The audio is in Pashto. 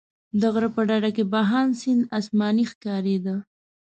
د غره په ډډه کې بهاند سیند اسماني ښکارېده.